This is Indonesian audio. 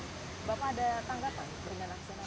bapak ada tanggapan dengan aksi anakis